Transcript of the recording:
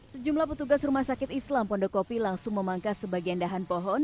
sejumlah petugas rumah sakit islam pondokopi langsung memangkas sebagian dahan pohon